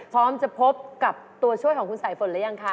พร้อมจะพบกับตัวช่วยของคุณสายฝนหรือยังคะ